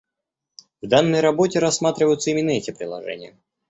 В данной работе рассматриваются именно эти приложения